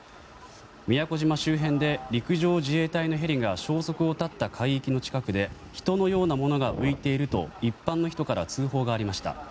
宮古島周辺で陸上自衛隊のヘリが消息を絶った海域の近くで人のようなものが浮いていると一般の人から通報がありました。